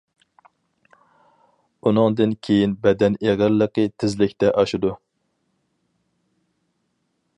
ئۇنىڭدىن كېيىن بەدەن ئېغىرلىقى تېزلىكتە ئاشىدۇ.